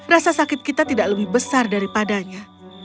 rasa sakit kita tidak lebih besar daripadanya